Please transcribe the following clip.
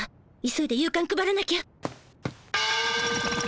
急いで夕かん配らなきゃ。